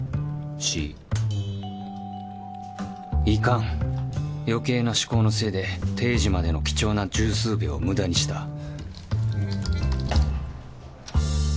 いかん余計な思考のせいで定時までの貴重な十数秒を無駄にした